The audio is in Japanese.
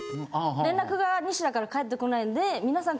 連絡がニシダから返ってこないんで。